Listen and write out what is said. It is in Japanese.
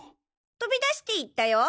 飛び出していったよ。